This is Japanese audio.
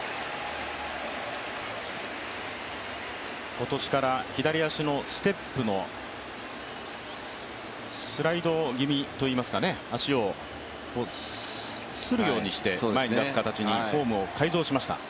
今年から左足のステップの、スライド気味といいますか足をするようにして前に出す形にフォームを改造しました。